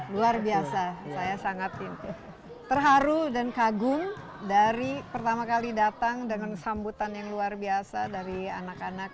luar biasa saya sangat terharu dan kagum dari pertama kali datang dengan sambutan yang luar biasa dari anak anak